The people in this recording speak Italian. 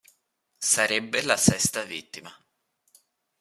Sarebbe la sesta vittima.